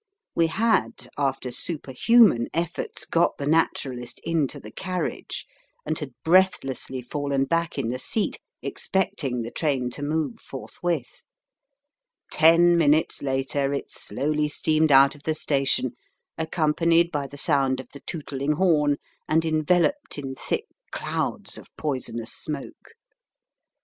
We had, after superhuman efforts, got the Naturalist into the carriage, and had breathlessly fallen back in the seat, expecting the train to move forthwith. Ten minutes later it slowly steamed out of the station, accompanied by the sound of the tootling horn and enveloped in thick clouds of poisonous smoke.